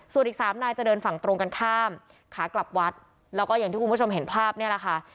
ส่วนอีกสามนายจะเดินฝั่งตรงกันข้ามขากลับวัดแล้วก็อย่างที่คุณผู้ชมเห็นภาพเนี่ยแหละค่ะ